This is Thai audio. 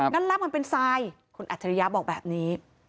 นั่นแหละมันเป็นทรายคุณอัจฉริยะบอกแบบนี้